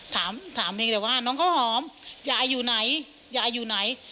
ถามเพียงแต่ว่าน้องเขาหอมอย่าเอาอยู่ไหน